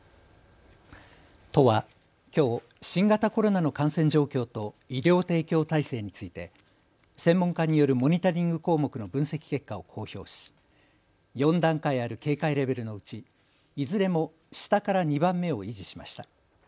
都はきょう新型コロナの感染状況と医療提供体制について専門家によるモニタリング項目の分析結果を公表し４段階ある警戒レベルのうちいずれも下から２番目を維持しました。